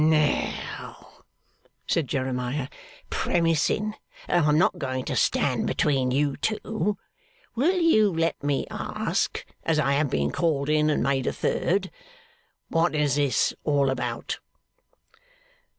'Now,' said Jeremiah; 'premising that I'm not going to stand between you two, will you let me ask (as I have been called in, and made a third) what is all this about?